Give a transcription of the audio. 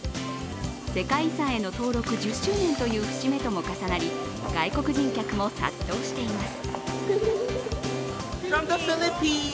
世界遺産への登録１０周年という節目とも重なり外国人客も殺到しています。